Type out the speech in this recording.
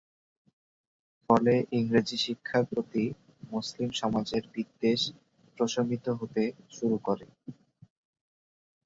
ফলে ইংরেজি শিক্ষার প্রতি মুসলিম সমাজের বিদ্বেষ প্রশমিত হতে শুরু করে।